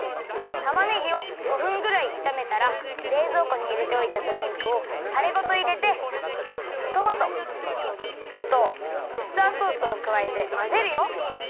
たまねぎを５ふんぐらいいためたられいぞうこにいれておいたとり肉をタレごといれてトマトさとうウスターソースをくわえてまぜるよ。